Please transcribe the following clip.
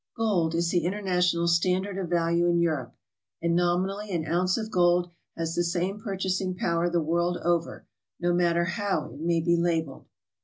Gold is the international standard of value in Europe, and nominally an ounce of gold has the same purchasing power the world over, no matter how it may be labelled.